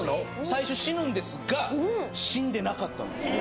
最初死ぬんですが死んでなかったんですよ